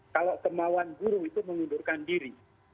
kalau kemauan guru itu mengundurkan diri